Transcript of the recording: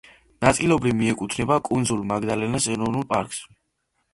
ნაწილობრივ მიეკუთვნება კუნძულ მაგდალენას ეროვნულ პარკს.